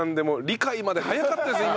理解まで早かったですよ